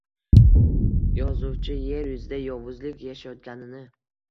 Yozuvchi Yer yuzida yovuzlik yashayotgani